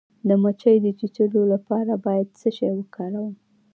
د مچۍ د چیچلو لپاره باید څه شی وکاروم؟